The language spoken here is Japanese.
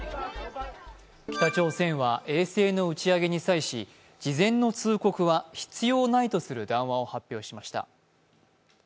北朝鮮は衛星の打ち上げに際し、事前の通告は必要ないとする談話を発表しました。